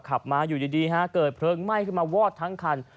ขับมาอยู่ดีฮะเกิดเพลิงไหม้ขึ้นมาวอดทั้งคัน